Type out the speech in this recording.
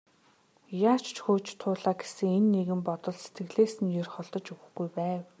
Яаж ч хөөж туулаа гэсэн энэ нэгэн бодол сэтгэлээс нь ер холдож өгөхгүй байв.